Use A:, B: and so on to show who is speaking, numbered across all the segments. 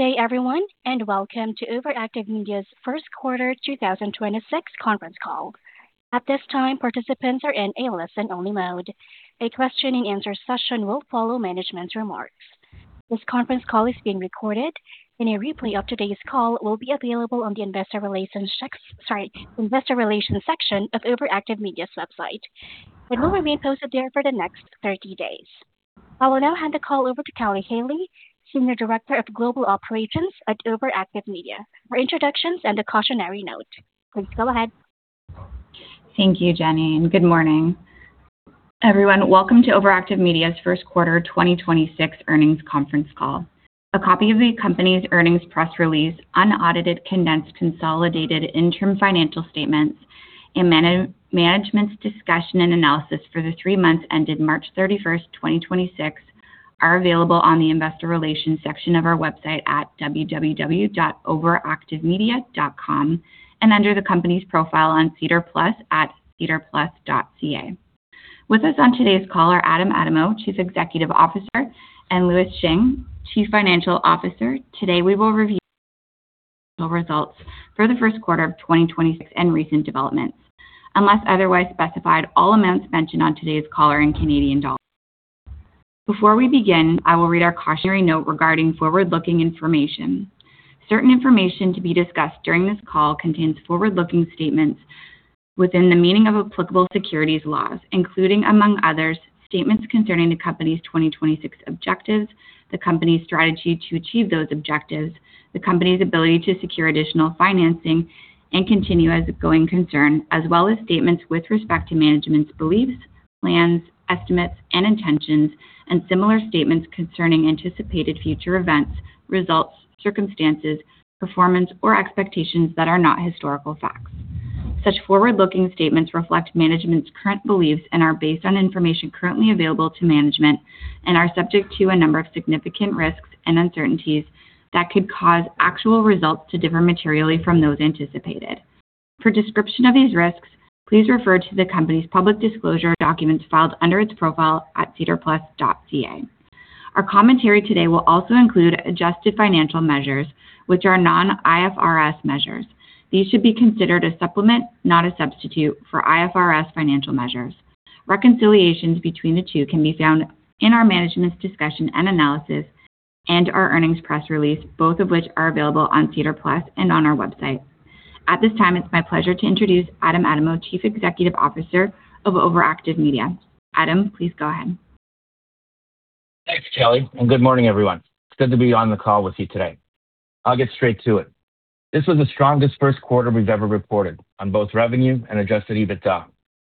A: Good day everyone, and welcome to OverActive Media's first quarter 2026 conference call. At this time, participants are in a listen-only mode. A question-and answer-session will follow management's remarks. This conference call is being recorded, and a replay of today's call will be available on the investor relations section of OverActive Media's website. It will remain posted there for the next 30 days. I will now hand the call over to Kelly Haley, Senior Director of Global Operations at OverActive Media, for introductions and a cautionary note. Please go ahead.
B: Thank you, Jenny, and good morning, everyone. Welcome to OverActive Media's first-quarter 2026 earnings conference call. A copy of the company's earnings press release, unaudited condensed consolidated interim financial statements, and management's discussion and analysis for the three months ended March 31, 2026, are available on the investor relations section of our website at www.overactivemedia.com and under the company's profile on SEDAR+ at sedarplus.ca. With us on today's call are Adam Adamou, Chief Executive Officer, and Louis Zhang, Chief Financial Officer. Today we will review results for the first quarter of 2026 and recent developments. Unless otherwise specified, all amounts mentioned on today's call are in CAD. Before we begin, I will read our cautionary note regarding forward-looking information. Certain information to be discussed during this call contains forward-looking statements within the meaning of applicable securities laws, including, among others, statements concerning the company's 2026 objectives, the company's strategy to achieve those objectives, the company's ability to secure additional financing and continue as a going concern, as well as statements with respect to management's beliefs, plans, estimates, and intentions, and similar statements concerning anticipated future events, results, circumstances, performance, or expectations that are not historical facts. Such forward-looking statements reflect management's current beliefs and are based on information currently available to management and are subject to a number of significant risks and uncertainties that could cause actual results to differ materially from those anticipated. For description of these risks, please refer to the company's public disclosure documents filed under its profile at sedarplus.ca. Our commentary today will also include adjusted financial measures, which are non-IFRS measures. These should be considered a supplement, not a substitute, for IFRS financial measures. Reconciliations between the two can be found in our management's discussion and analysis and our earnings press release, both of which are available on SEDAR+ and on our website. At this time, it's my pleasure to introduce Adam Adamou, Chief Executive Officer of OverActive Media. Adam, please go ahead.
C: Thanks, Kelly, and good morning, everyone. It's good to be on the call with you today. I'll get straight to it. This was the strongest first quarter we've ever reported on both revenue and adjusted EBITDA.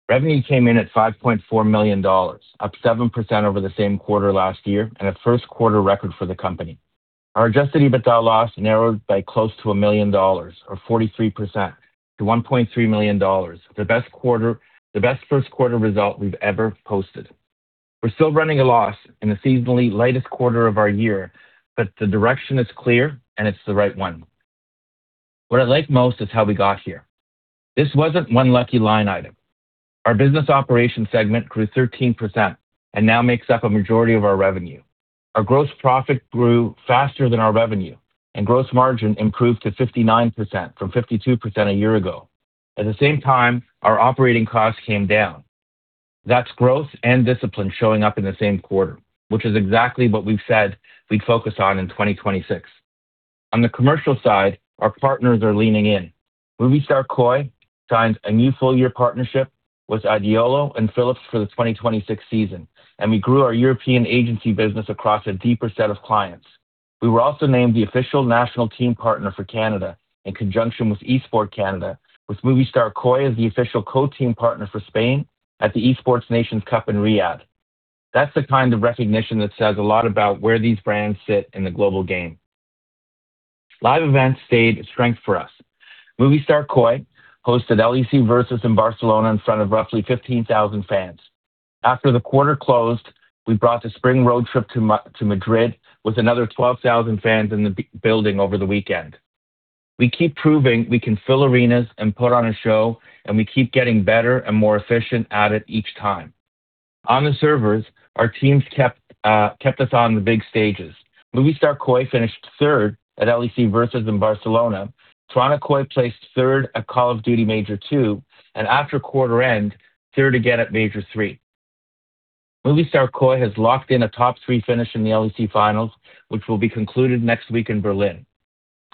C: Revenue came in at 5.4 million dollars, up 7% over the same quarter last year, and a first-quarter record for the company. Our adjusted EBITDA loss narrowed by close to 1 million dollars, or 43%, to 1.3 million dollars, the best first-quarter result we've ever posted. We're still running a loss in the seasonally lightest quarter of our year, but the direction is clear, and it's the right one. What I like most is how we got here. This wasn't one lucky line item. Our business operation segment grew 13% and now makes up a majority of our revenue. Our gross profit grew faster than our revenue, and gross margin improved to 59% from 52% a year ago. At the same time, our operating costs came down. That's growth and discipline showing up in the same quarter, which is exactly what we've said we'd focus on in 2026. On the commercial side, our partners are leaning in. Movistar KOI signed a new full-year partnership with Idealo and Philips for the 2026 season, and we grew our European agency business across a deeper set of clients. We were also named the official national team partner for Canada in conjunction with Esports Canada, with Movistar KOI as the official co-team partner for Spain at the Esports Nations Cup in Riyadh. That's the kind of recognition that says a lot about where these brands sit in the global game. Live events stayed a strength for us. Movistar KOI hosted LEC Versus in Barcelona in front of roughly 15,000 fans. After the quarter closed, we brought the spring road trip to Madrid with another 12,000 fans in the building over the weekend. We keep proving we can fill arenas and put on a show, and we keep getting better and more efficient at it each time. On the servers, our teams kept us on the big stages. Movistar KOI finished third at LEC Versus in Barcelona. Toronto KOI placed third at Call of Duty Major 2, and after quarter end, third again at Major 3. Movistar KOI has locked in a top three finish in the LEC finals, which will be concluded next week in Berlin.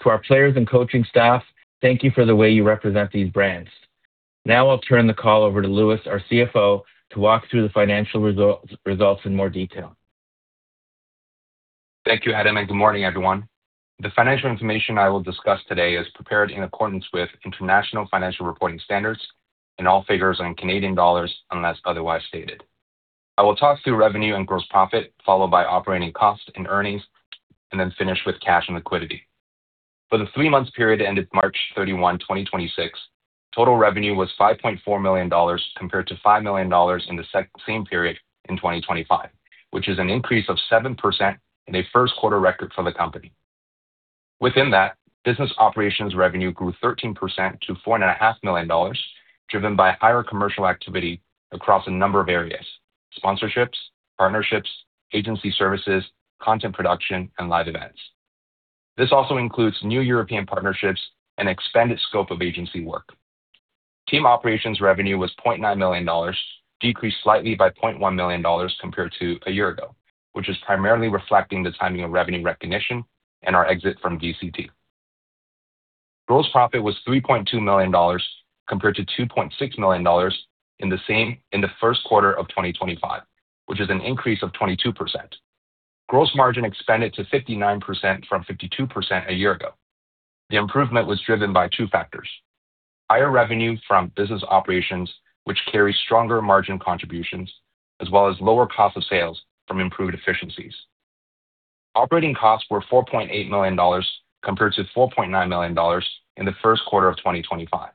C: To our players and coaching staff, thank you for the way you represent these brands. Now I'll turn the call over to Louis, our CFO, to walk through the financial results in more detail.
D: Thank you, Adam. Good morning, everyone. The financial information I will discuss today is prepared in accordance with International Financial Reporting Standards, and all figures are in Canadian dollars unless otherwise stated. I will talk through revenue and gross profit, followed by operating costs and earnings, and then finish with cash and liquidity. For the three-month period ended March 31, 2026, total revenue was 5.4 million dollars, compared to 5 million dollars in the same period in 2025, which is an increase of 7% and a first-quarter record for the company. Within that, business operations revenue grew 13% to 4.5 million dollars, driven by higher commercial activity across a number of areas sponsorships, partnerships, agency services, content production, and live events. This also includes new European partnerships and expanded scope of agency work. Team operations revenue was 0.9 million dollars, decreased slightly by 0.1 million dollars compared to a year ago, which is primarily reflecting the timing of revenue recognition and our exit from VCT. Gross profit was 3.2 million dollars, compared to 2.6 million dollars in the first quarter of 2025, which is an increase of 22%. Gross margin expanded to 59% from 52% a year ago. The improvement was driven by two factors: higher revenue from business operations, which carry stronger margin contributions, as well as lower cost of sales from improved efficiencies. Operating costs were 4.8 million dollars, compared to 4.9 million dollars in the first quarter of 2025.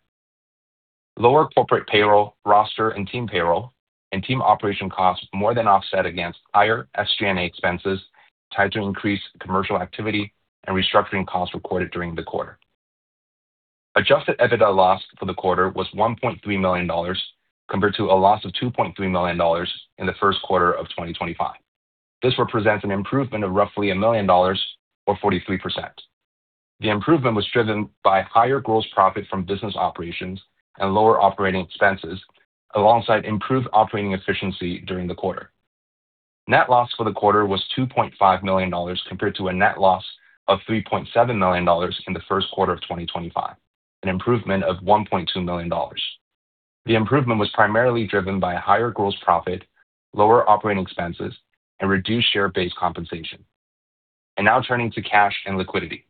D: Lower corporate payroll, roster, and team payroll and team operation costs more than offset against higher SG&A expenses tied to increased commercial activity and restructuring costs recorded during the quarter. Adjusted EBITDA loss for the quarter was 1.3 million dollars, compared to a loss of 2.3 million dollars in the first quarter of 2025. This represents an improvement of roughly 1 million dollars or 43%. The improvement was driven by higher gross profit from business operations and lower operating expenses alongside improved operating efficiency during the quarter. Net loss for the quarter was 2.5 million dollars, compared to a net loss of 3.7 million dollars in the first quarter of 2025, an improvement of 1.2 million dollars. The improvement was primarily driven by higher gross profit, lower operating expenses, and reduced share-based compensation. Now turning to cash and liquidity.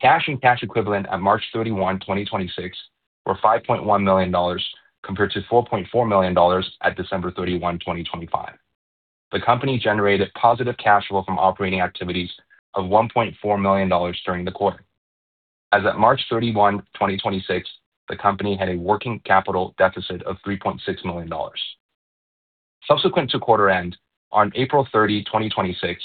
D: Cash and cash equivalent at March 31, 2026, were CAD 5.1 million, compared to CAD 4.4 million at December 31, 2025. The company generated positive cash flow from operating activities of 1.4 million dollars during the quarter. As at March 31, 2026, the company had a working capital deficit of 3.6 million dollars. Subsequent to quarter end, on April 30, 2026,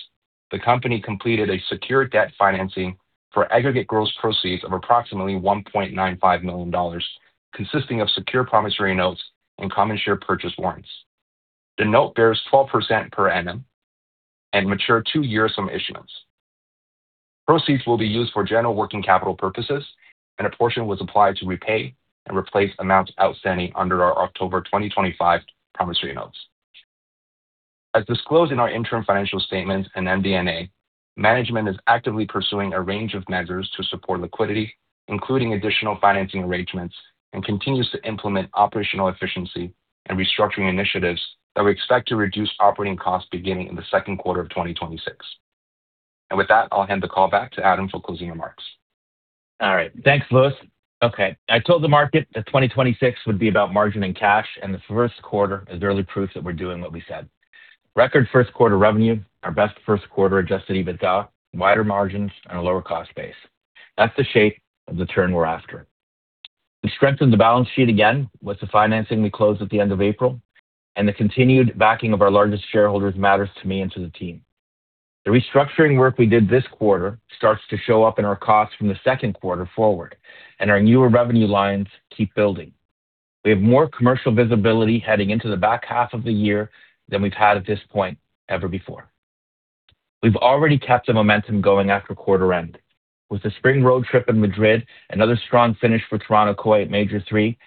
D: the company completed a secured debt financing for aggregate gross proceeds of approximately 1.95 million dollars, consisting of secure promissory notes and common share purchase warrants. The note bears 12% per annum and mature two years from issuance. Proceeds will be used for general working capital purposes, and a portion was applied to repay and replace amounts outstanding under our October 2025 promissory notes. As disclosed in our interim financial statements and MD&A, management is actively pursuing a range of measures to support liquidity, including additional financing arrangements, and continues to implement operational efficiency and restructuring initiatives that we expect to reduce operating costs beginning in the second quarter of 2026. With that, I'll hand the call back to Adam for closing remarks.
C: All right. Thanks, Louis. Okay, I told the market that 2026 would be about margin and cash. The first quarter is early proof that we're doing what we said. Record first quarter revenue, our best first quarter adjusted EBITDA, wider margins, and a lower cost base. That's the shape of the turn we're after. We strengthened the balance sheet again with the financing we closed at the end of April. The continued backing of our largest shareholders matters to me and to the team. The restructuring work we did this quarter starts to show up in our costs from the second quarter forward. Our newer revenue lines keep building. We have more commercial visibility heading into the back half of the year than we've had at this point ever before. We've already kept the momentum going after quarter end. With the spring road trip in Madrid, another strong finish for Toronto KOI at Major III,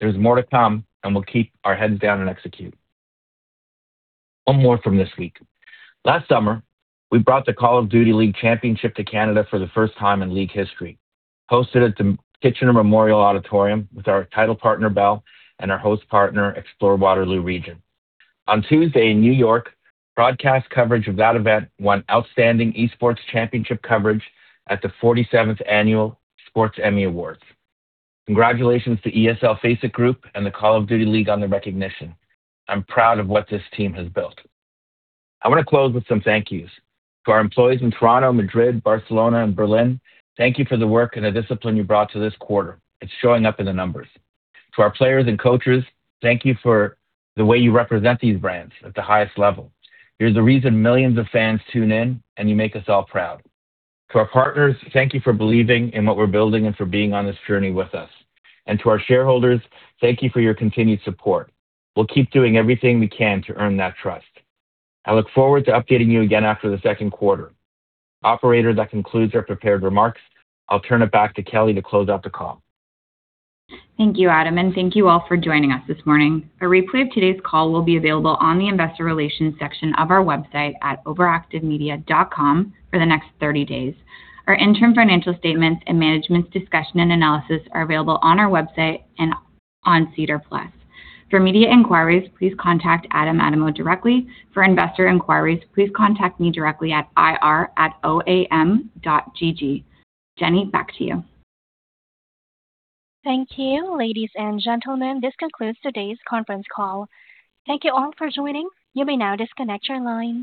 C: there's more to come, and we'll keep our heads down and execute. One more from this week. Last summer, we brought the Call of Duty League Championship to Canada for the first time in league history, hosted at the Kitchener Memorial Auditorium with our title partner, Bell, and our host partner, Explore Waterloo Region. On Tuesday in New York, broadcast coverage of that event won Outstanding Esports Championship Coverage at the 47th Annual Sports Emmy Awards. Congratulations to ESL FACEIT Group and the Call of Duty League on the recognition. I'm proud of what this team has built. I want to close with some thank yous. To our employees in Toronto, Madrid, Barcelona, and Berlin, thank you for the work and the discipline you brought to this quarter. It's showing up in the numbers. To our players and coaches, thank you for the way you represent these brands at the highest level. You're the reason millions of fans tune in, and you make us all proud. To our partners, thank you for believing in what we're building and for being on this journey with us. To our shareholders, thank you for your continued support. We'll keep doing everything we can to earn that trust. I look forward to updating you again after the second quarter. Operator, that concludes our prepared remarks. I'll turn it back to Kelly to close out the call.
B: Thank you, Adam, and thank you all for joining us this morning. A replay of today's call will be available on the investor relations section of our website at overactivemedia.com for the next 30 days. Our interim financial statements and Management's Discussion and Analysis are available on our website and on SEDAR+. For media inquiries, please contact Adam Adamou directly. For investor inquiries, please contact me directly at ir@oam.gg. Jenny, back to you.
A: Thank you, ladies and gentlemen. This concludes today's conference call. Thank you all for joining. You may now disconnect your line.